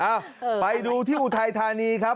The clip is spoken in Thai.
เอ้าไปดูที่อุทัยธานีครับ